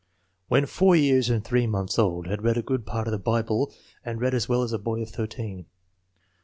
"When 4 years and 3 months old had read a good part of the Bible and read as well as a boy of thirteen."